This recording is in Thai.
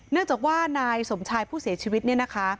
เนื่องจากว่านายสมชายผู้เสียชีวิตเนี่ยนะคะ